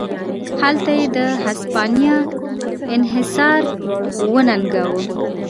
هلته یې د هسپانیا انحصار وننګاوه.